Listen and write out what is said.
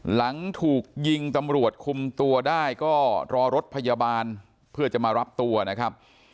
หลังถูกยิงตำรวจคุมตัวได้ก็รอรถพยาบาลเพื่อจะมารับตัวนะครับ